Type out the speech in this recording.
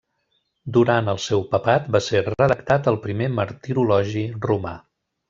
Durant el seu papat va ser redactat el primer martirologi romà.